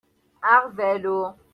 Aɣbalu.